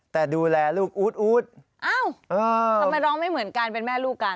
แต่ดูแลลูกอู๊ดอ้าวทำไมร้องไม่เหมือนกันเป็นแม่ลูกกัน